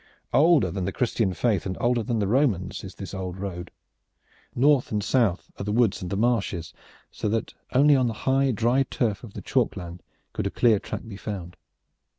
Older than the Christian faith and older than the Romans, is the old road. North and south are the woods and the marshes, so that only on the high dry turf of the chalk land could a clear track be found.